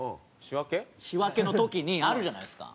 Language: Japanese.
仕訳の時にあるじゃないですか。